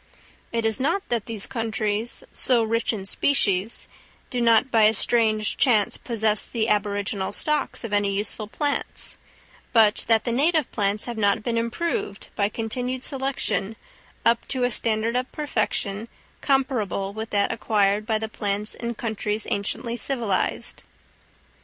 It is not that these countries, so rich in species, do not by a strange chance possess the aboriginal stocks of any useful plants, but that the native plants have not been improved by continued selection up to a standard of perfection comparable with that acquired by the plants in countries anciently civilised.